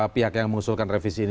pihak yang mengusulkan revisi ini